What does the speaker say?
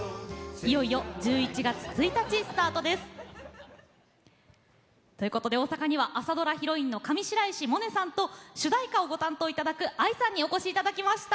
いよいよということで大阪には朝ドラヒロインの上白石萌音さんと主題歌をご担当頂くＡＩさんにお越し頂きました。